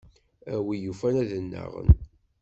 A win yufan ad nnaɣen.